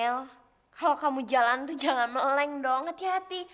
nel kalau kamu jalan tuh jangan meleng dong hati hati